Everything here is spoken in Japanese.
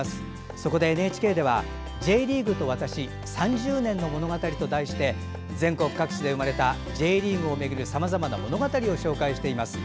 そこでＮＨＫでは「Ｊリーグと私３０年の物語」と題して全国各地で生まれたＪリーグをめぐるさまざまな物語を紹介しています。